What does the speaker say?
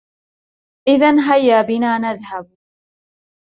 إذاً هيا بنا نذهب.